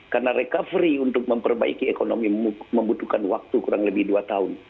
karena recovery untuk memperbaiki ekonomi membutuhkan waktu kurang lebih dua tahun